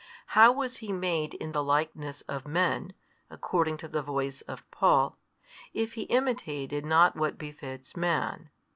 How was He made in the likeness of men, according to the voice of Paul, if He imitated not what befits man?